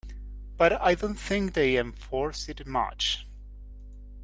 But I don't think they enforced it much.